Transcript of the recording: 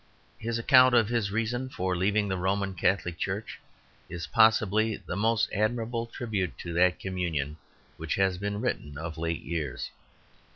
His account of his reason for leaving the Roman Catholic Church is possibly the most admirable tribute to that communion which has been written of late years.